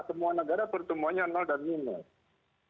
semua negara pertumbuhannya nol dan minus